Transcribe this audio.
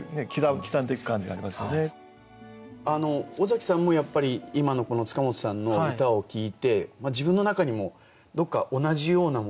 尾崎さんもやっぱり今のこの本さんの歌を聞いて自分の中にもどっか同じようなものっていうのを感じるんじゃないですか。